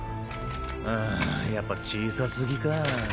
ああやっぱ小さすぎか。